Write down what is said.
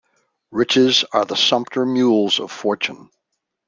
Riches are the sumpter mules of fortune.